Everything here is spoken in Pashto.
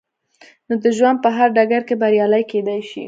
نو د ژوند په هر ډګر کې بريالي کېدای شئ.